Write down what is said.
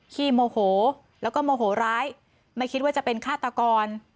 ขี้โมโหแล้วก็โมโหร้ายไม่คิดว่าจะเป็นฆาตกร